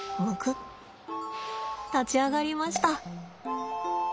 立ち上がりました。